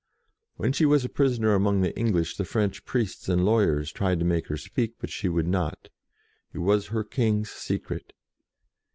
When she was a prisoner among the English, the French priests and lawyers tried to make her speak, but she would not. It was her King's secret.